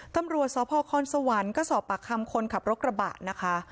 ตำรวจสพคสวรรค์ก็สอบปากคำคนขับรถกระบะนะคะ